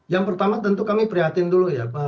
yang pertama tentu kami prihatin dulu ya